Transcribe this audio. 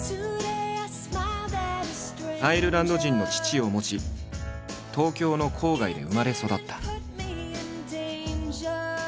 アイルランド人の父を持ち東京の郊外で生まれ育った。